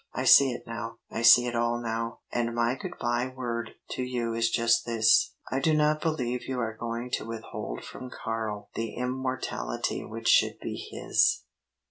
I see it now. I see it all now. And my good bye word to you is just this I do not believe you are going to withhold from Karl the immortality which should be his."